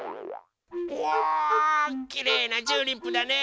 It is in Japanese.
うわきれいなチューリップだね！